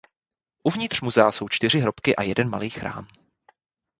Uvnitř muzea jsou čtyři hrobky a jeden malý chrám.